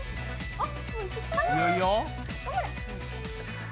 あっ！